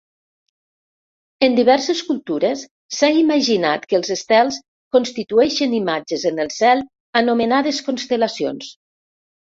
En diverses cultures s'ha imaginat que els estels constitueixen imatges en el cel anomenades constel·lacions.